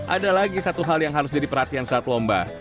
ada lagi satu hal yang harus jadi perhatian saat lomba